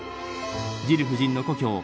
ジル夫人の故郷